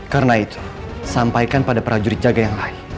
karena itu sampaikan pada prajurit jaga yang lain